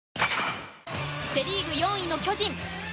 セ・リーグ４位の巨人